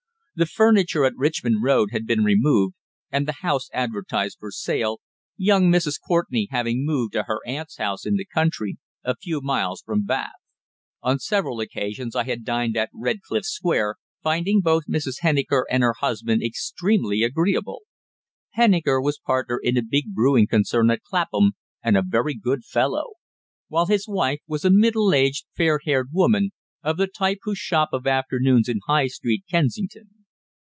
The furniture at Richmond Road had been removed and the house advertised for sale, young Mrs. Courtenay having moved to her aunt's house in the country, a few miles from Bath. On several occasions I had dined at Redcliffe Square, finding both Mrs. Henniker and her husband extremely agreeable. Henniker was partner in a big brewing concern at Clapham, and a very good fellow; while his wife was a middle aged, fair haired woman, of the type who shop of afternoons in High Street, Kensington.